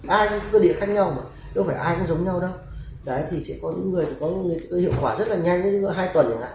ai cũng có cơ địa khác nhau mà đâu phải ai cũng giống nhau đâu đấy thì sẽ có những người có hiệu quả rất là nhanh